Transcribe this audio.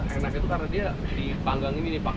enak itu karena dia dipanggang ini nih pak